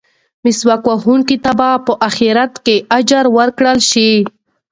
مسواک وهونکي ته به په اخرت کې اجر ورکړل شي.